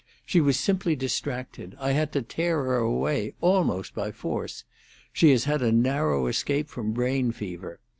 She was simply distracted. I had to tear her away almost by force. She has had a narrow escape from brain fever.